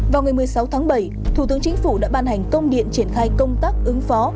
vào ngày một mươi sáu tháng bảy thủ tướng chính phủ đã ban hành công điện triển khai công tác ứng phó